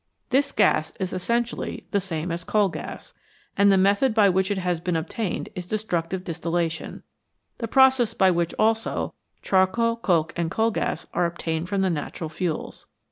This gas is essentially the same as coal gas, and the method by which it has been obtained is destructive distillation the process by which also char coal, coke, and coal gas are obtained from the natural fuels.